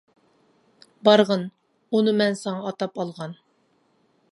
-بارغىن، ئۇنى مەن ساڭا ئاتاپ ئالغان.